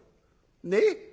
ねえ？